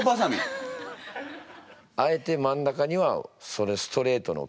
あえて真ん中にはそれストレートの。